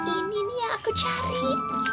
ini nih yang aku cari